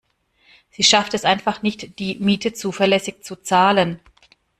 Sie schafft es einfach nicht, die Miete zuverlässig zu zahlen.